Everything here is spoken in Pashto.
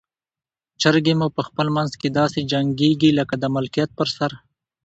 چرګې مو په خپل منځ کې داسې جنګیږي لکه د ملکیت پر سر.